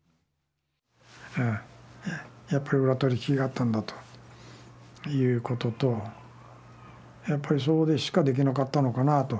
やっぱり裏取引があったんだということとやっぱりそうでしかできなかったのかなと。